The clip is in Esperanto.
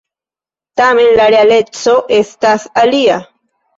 Tamen la realeco estas alia.